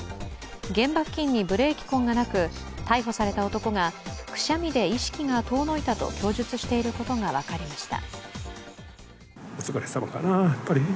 現場付近にブレーキ痕がなく逮捕された男がくしゃみで意識が遠のいたと供述していることが分かりました。